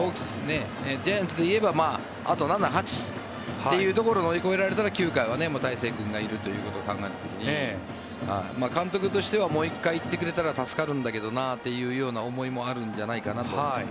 ジャイアンツでいえばあと７、８というところで追い込められたら９回は大勢君がいるということを考えた時に監督としてはもう１回行ってくれたら助かるんだけどなという思いもあるんじゃないかと。